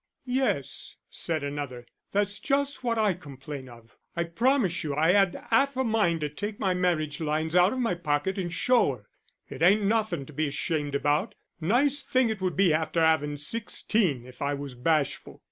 "Yes," said another, "that's just what I complain of I promise you I 'ad 'alf a mind to take my marriage lines out of my pocket an' show 'er. It ain't nothin' to be ashamed about nice thing it would be after 'avin' sixteen, if I was bashful."